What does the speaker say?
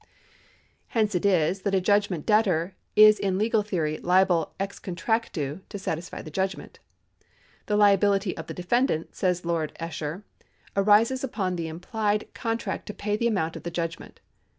Hence it is, that a judgment debtor is in legal theory liable ex contractu to satisfy the judgment. " The liability of the defendant," says Lord Esher,2 " arises upon the implied contract to pay the amount of the judgment."